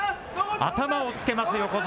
頭をつけます、横綱。